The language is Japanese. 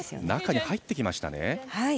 中に入ってきましたね。